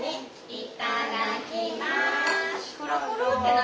いただきます。